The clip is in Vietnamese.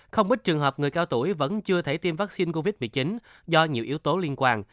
không ít trường hợp người cao tuổi vẫn chưa thể tiêm vaccine covid một mươi chín do nhiều yếu tố liên quan